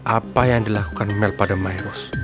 apa yang dilakukan mel pada miros